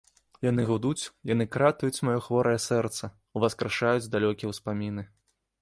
Яны гудуць, яны кратаюць маё хворае сэрца, уваскрашаюць далёкія ўспаміны.